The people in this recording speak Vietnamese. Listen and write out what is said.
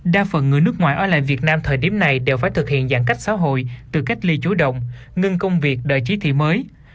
đa phần người nước ngoài ở lại việt nam thời điểm này đều phải thực hiện giãn cách xã hội từ cách ly chú động ngưng công việc đợi trí thị mới